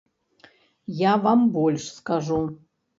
Я вам больш скажу.